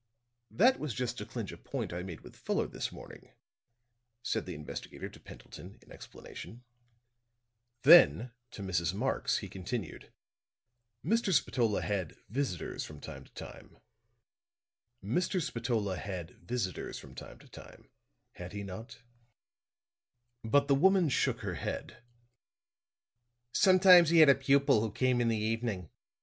"That was just to clinch a point I made with Fuller this morning," said the investigator to Pendleton, in explanation. Then to Mrs. Marx he continued: "Mr. Spatola had visitors from time to time, had he not?" But the woman shook her head. "Sometimes he had a pupil who came in the evening.